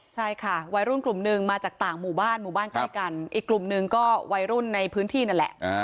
ใช่ค่ะวัยรุ่นกลุ่มหนึ่งมาจากต่างหมู่บ้านหมู่บ้านใกล้กันอีกกลุ่มหนึ่งก็วัยรุ่นในพื้นที่นั่นแหละ